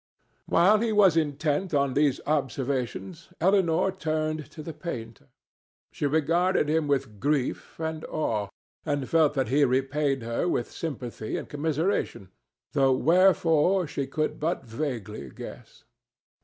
While he was intent on these observations Elinor turned to the painter. She regarded him with grief and awe, and felt that he repaid her with sympathy and commiseration, though wherefore she could but vaguely guess.